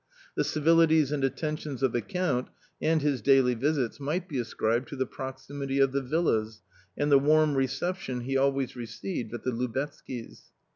The civilities and attentions of the lomihand his daily visits might be ascribed to the proximity oTtrie villas and the warm reception he always received at the Lubetzkys.